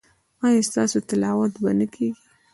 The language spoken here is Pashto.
ایا ستاسو تلاوت به نه کیږي؟